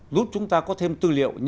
lúc chúng ta có thêm tư liệu